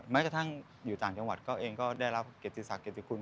แม้กระทั่งจ่างจังหวัดก็ได้รับเกติศักดิ์เกติศักดิ์คุณ